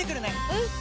うん！